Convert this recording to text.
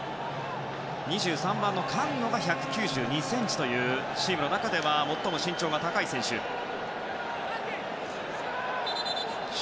２３番のカンノが１９２ｃｍというチームの中では最も身長の高い選手です。